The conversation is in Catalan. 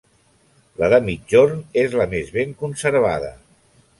La de migjorn és la més ben conservada.